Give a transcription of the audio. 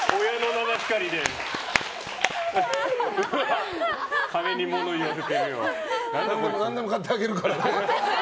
真飛さん何でも買ってあげるからね。